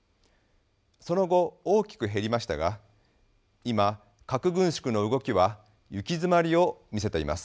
その後大きく減りましたが今核軍縮の動きは行き詰まりを見せています。